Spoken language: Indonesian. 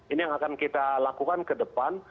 ini yang akan kita lakukan ke depan